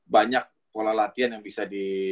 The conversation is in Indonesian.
banyak pola latihan yang bisa di